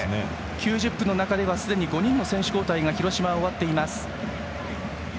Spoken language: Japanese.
９０分の中ではすでに５人の選手交代が広島は終わっています。